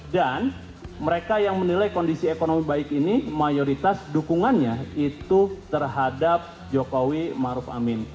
dan mereka yang menilai kondisi ekonomi baik ini mayoritas dukungannya itu terhadap jokowi maruf amin